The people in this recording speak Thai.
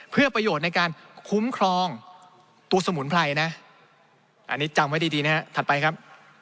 เพื่อประโยชน์ในการคุ้มครองตัวสมุนไพรนะอันนี้จำไว้ดีนะฮะถัดไปครับ